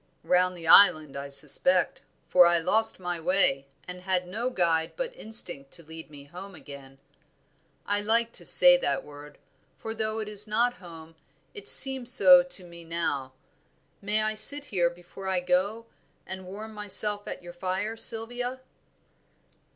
"Round the Island I suspect, for I lost my way, and had no guide but instinct to lead me home again. I like to say that word, for though it is not home it seems so to me now. May I sit here before I go, and warm myself at your fire, Sylvia?"